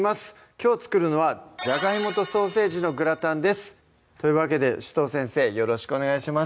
きょう作るのは「じゃがいもとソーセージのグラタン」ですというわけで紫藤先生よろしくお願いします